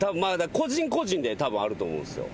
個人個人でたぶんあると思うんですよ。